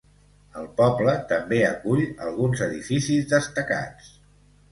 El poble també acull alguns edificis destacats.